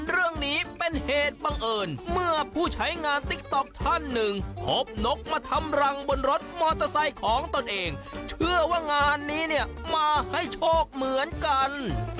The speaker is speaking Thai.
รถมอเตอร์ไซค์ของตัวเองเชื่อว่างานนี้เนี่ยมาให้โชคเหมือนกัน